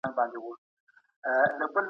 برېښنايي تذکرو د ويش پروژه د حامد کرزي د